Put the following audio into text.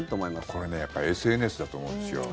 これね、やっぱりＳＮＳだと思うんですよ。